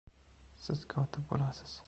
— Siz kotib bo‘lasiz!